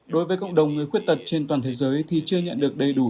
đối với cộng đồng người khuyết tật trên toàn thế giới thì chưa nhận được đầy đủ